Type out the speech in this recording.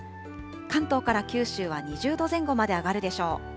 関東から九州は２０度前後まで上がるでしょう。